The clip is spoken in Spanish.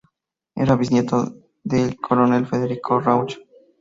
Era bisnieto del del coronel Federico Rauch.